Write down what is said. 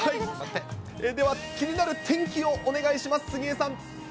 では気になる天気をお願いします。